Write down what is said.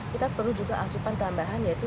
kita perlu juga asupan tambahan yaitu